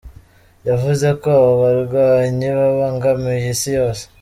Yavuze ko abo barwanyi babangamiye isi yose.